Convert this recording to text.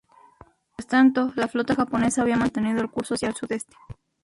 Mientras tanto, la flota japonesa había mantenido el curso hacia el sudeste.